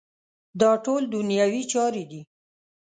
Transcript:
دا ټول دنیوي چارې دي.